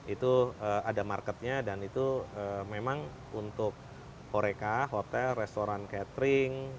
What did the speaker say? itu ada marketnya dan itu memang untuk horeca hotel restoran catering